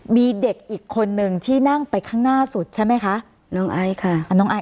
มีเด็กอีกคนนึงที่นั่งไปข้างหน้าสุดใช่ไหมคะน้องไอค่ะอ่าน้องไอซ